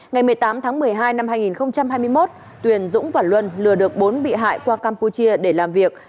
ngày một mươi tám tháng một mươi hai năm hai nghìn hai mươi một tuyền dũng và luân lừa được bốn bị hại qua campuchia để làm việc